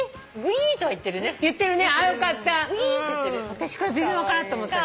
私これ微妙かなと思った。